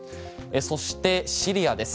そしてシリアです。